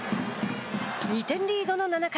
２点リードの７回。